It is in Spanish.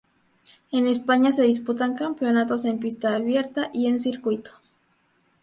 En España se disputan campeonatos en pista abierta y en circuito.